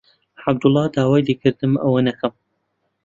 عەبدوڵڵا داوای لێ کردم ئەوە نەکەم.